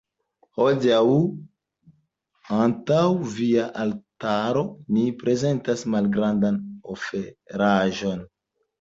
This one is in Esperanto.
Hodiaǔ, antaǔ via altaro, ni prezentas malgrandan oferaĵon.